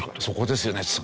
そこですよね。